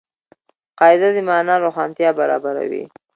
قاعده د مانا روښانتیا برابروي.